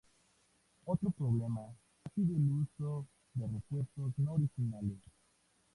Otro problema, ha sido el uso de repuestos no originales.